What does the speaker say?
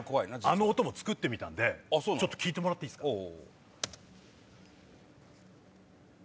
あの音も作ってみたんで聞いてもらっていいですか。